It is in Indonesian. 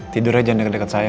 tidurnya jangan deket deket saya